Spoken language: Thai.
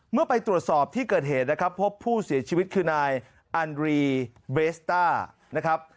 เมื่อไปตรวจสอบที่เกิดเหตุนะครับพบผู้เสียชีวิตคือนายอันรีเบสต้านะครับ